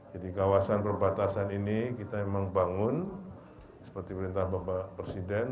jadi kawasan perbatasan ini kita memang bangun seperti perintah bapak presiden